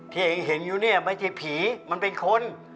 เองเห็นอยู่เนี่ยไม่ใช่ผีมันเป็นคน